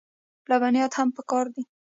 لبنیات هم پکار دي.